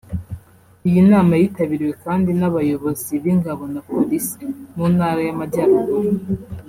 Iyi nama yitabiriwe kandi n’abayobozi b’ingabo na Police mu Ntara y’Amajyaruguru